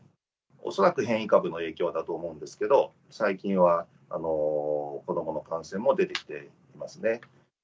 恐らく変異株の影響だと思うんですけど、最近は子どもの感染も出てきていますね。